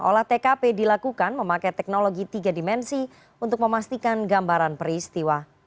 olah tkp dilakukan memakai teknologi tiga dimensi untuk memastikan gambaran peristiwa